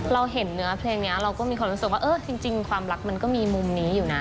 เราเห็นเนื้อเพลงนี้เราก็มีความรักมันก็มีมุมนี้อยู่นะ